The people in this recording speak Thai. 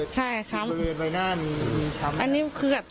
ใช่ไม่เคย